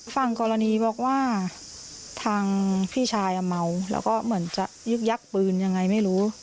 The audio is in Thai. ฝั่งกรณีบอกว่าทางพี่ชายเมาแล้วก็เหมือนจะยึกยักปืนยังไงไม่รู้